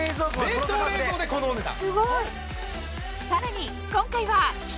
冷凍冷蔵でこのお値段。